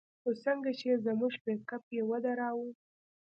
خو څنگه چې زموږ پېکپ يې ودراوه.